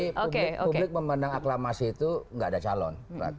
publik memandang aklamasi itu gak ada calon